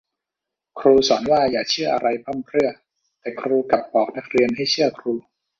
ครูสอนว่าอย่าเชื่ออะไรพร่ำเพรื่อ แต่ครูกลับบอกนักเรียนให้เชื่อครู